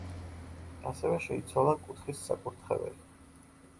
ასევე შეიცვალა კუთხის საკურთხეველი.